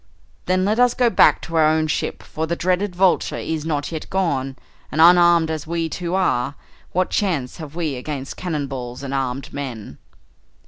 "Then let us go back to our own ship, for the dreaded Vulture is not yet gone, and unarmed as we too are, what chance have we against cannon balls and armed men?"